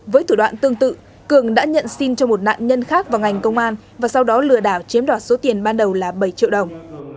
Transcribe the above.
với thủ đoạn tương tự cường đã nhận xin cho một nạn nhân khác vào ngành công an và sau đó lừa đảo chiếm đoạt số tiền ban đầu là bảy triệu đồng